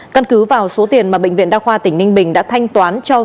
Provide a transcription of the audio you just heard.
căn cứ vào số tiền mà bệnh viện đa khoa tỉnh ninh bình đã thanh toán cho ubktnb